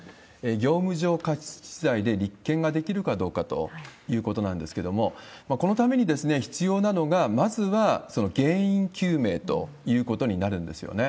業務上過失致死罪で立件ができるかどうかということなんですけれども、このために必要なのが、まずはその原因究明ということになるんですよね。